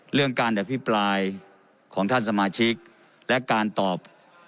เรื่องการอภิปรายของท่านสมาชิกและการตอบ